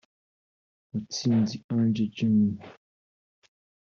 Mutsinzi Ange Jimmy